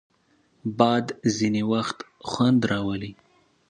باد ځینې وخت خوند راولي